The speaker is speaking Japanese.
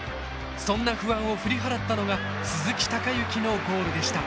そんな不安を振り払ったのが鈴木隆行のゴールでした。